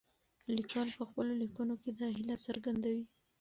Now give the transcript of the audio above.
لیکوال په خپلو لیکنو کې دا هیله څرګندوي.